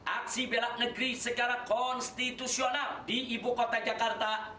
aksi belak negeri segera konstitusional di ibu kota jakarta